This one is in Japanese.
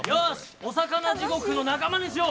「おさかな地獄」の仲間にしよう。